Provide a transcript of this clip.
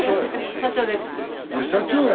社長や。